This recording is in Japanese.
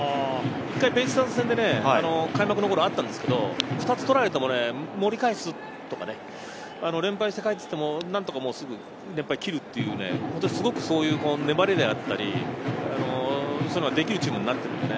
一回ベイスターズ戦で開幕の頃あったんですけど、２つ取られても盛り返す、連敗して帰っても何とかすぐ切るっていう、すごくそういう粘りであったり、できるチームになっているんで。